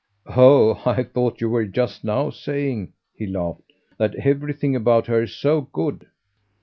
"Oh I thought you were just now saying," he laughed, "that everything about her's so good."